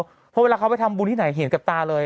เพราะเวลาเขาไปทำบุญที่ไหนเห็นกับตาเลย